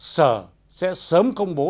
sở sẽ sớm công bố